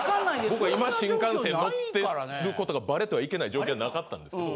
僕は今新幹線乗ってることがバレてはいけない状況はなかったんですけど。